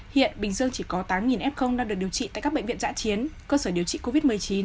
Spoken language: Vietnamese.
hiện bình dương chỉ có tám f đang được điều trị tại các bệnh viện giã chiến cơ sở điều trị covid một mươi chín